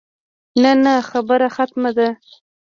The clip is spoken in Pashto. نه نه خبره ختمه ده.